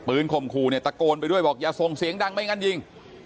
ข่มขู่เนี่ยตะโกนไปด้วยบอกอย่าส่งเสียงดังไม่งั้นยิง